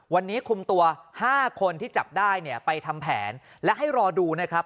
วันนี้คุมตัวห้าคนที่จับได้เนี่ยไปทำแผนและให้รอดูนะครับ